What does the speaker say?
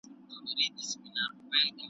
ورته جوړ د هر پمن د خنجر وار وي .